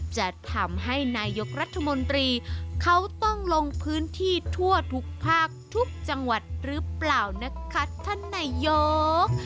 จะทำให้นายกรัฐมนตรีเขาต้องลงพื้นที่ทั่วทุกภาคทุกจังหวัดหรือเปล่านะคะท่านนายก